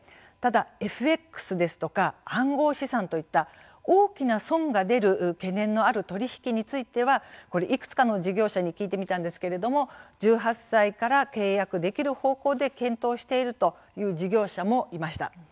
ただＦＸですとか暗号資産といった大きな損が出る懸念のある取り引きについてはいくつかの事業者に聞いてみたんですけれども１８歳から契約できる方向で検討しているという事業者もいました。